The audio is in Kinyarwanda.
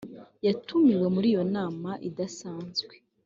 yatumiwe muri iyo nama idasanzwe